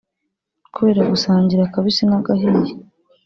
Kubera gusangira akabisi n’agahiye